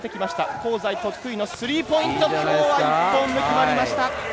香西得意のスリーポイントが決まりました。